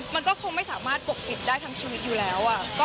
มันก็คงไม่สามารถปกปิดได้ทั้งชีวิตอยู่แล้ว